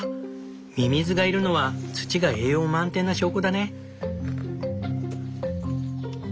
ミミズがいるのは土が栄養満点な証拠だね。